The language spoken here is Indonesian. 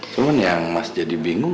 terus yang mas jadi bingung